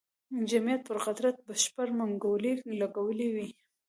جمعیت پر قدرت بشپړې منګولې لګولې وې.